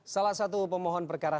salah satu pemohon perkara